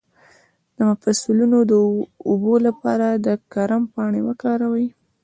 د مفصلونو د اوبو لپاره د کرم پاڼې وکاروئ